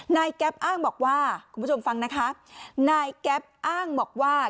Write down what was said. แก๊ปอ้างบอกว่าคุณผู้ชมฟังนะคะนายแก๊ปอ้างบอกว่า